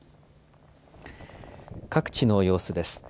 各地の様子です。